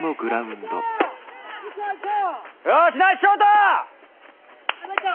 よしナイスショート！